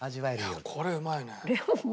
いやあこれうまいね。